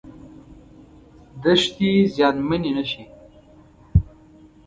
دښتې زیانمنې نشي.